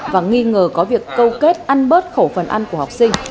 và nghi ngờ có việc câu kết ăn bớt khẩu phần ăn của học sinh